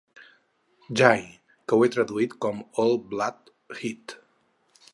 Jai’, que ho he traduït com a ‘old bald head’.